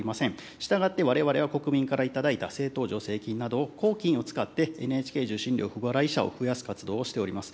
したがって、われわれは国民から頂いた政党助成金などを、公金を使って、ＮＨＫ受信料不払い者を増やす活動をしております。